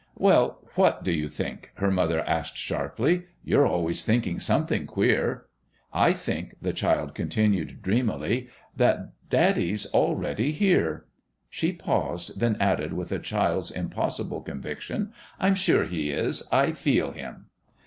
"Well, what do you think?" her mother asked sharply. "You're always thinking something queer." "I think," the child continued dreamily, "that Daddy's already here." She paused, then added with a child's impossible conviction, "I'm sure he is. I feel him."